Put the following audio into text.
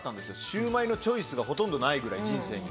シウマイのチョイスがほとんどないぐらい人生に。